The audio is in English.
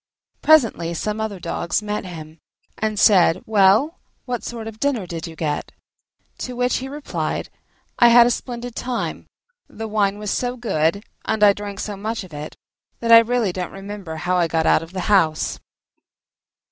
Presently some other dogs met him, and said, "Well, what sort of a dinner did you get?" To which he replied, "I had a splendid time: the wine was so good, and I drank so much of it, that I really don't remember how I got out of the house!"